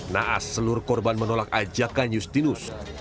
naas seluruh korban menolak ajakan justinus